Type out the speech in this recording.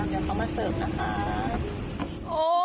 ลิ้วลองห้าทำไมครับลูก